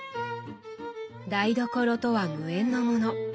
台所とは無縁のもの。